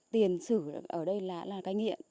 tiền sử ở đây là cái nghiện